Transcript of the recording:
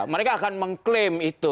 mereka akan mengklaim itu